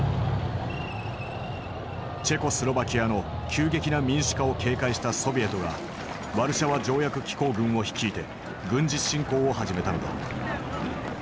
チェコスロバキアの急激な民主化を警戒したソビエトがワルシャワ条約機構軍を率いて軍事侵攻を始めたのだ。